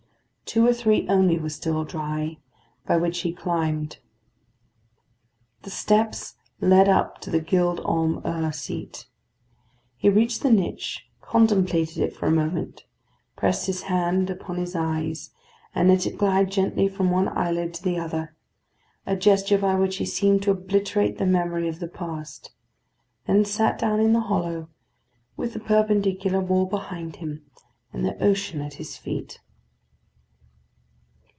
Two or three only were still dry, by which he climbed. The steps led up to the Gild Holm 'Ur seat. He reached the niche, contemplated it for a moment, pressed his hand upon his eyes, and let it glide gently from one eyelid to the other a gesture by which he seemed to obliterate the memory of the past then sat down in the hollow, with the perpendicular wall behind him, and the ocean at his feet.